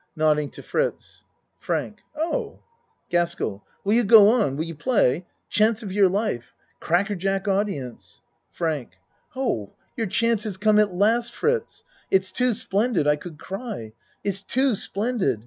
(Nodding to Fritz.) FRANK Oh GASKELL Will you go on? Will you play? Chance of your life. Cracker jack audience. FRANK Oh, your chance has come at last Fritz ! It's too splendid I could cry it's too splendid.